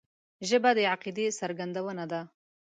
ژبه د عقیدې څرګندونه ده